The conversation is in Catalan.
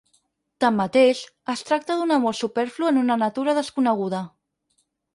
Tanmateix, es tracta d'un amor superflu en una natura desconeguda.